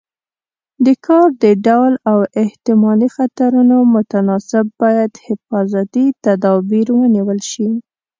د کار د ډول او احتمالي خطرونو متناسب باید حفاظتي تدابیر ونیول شي.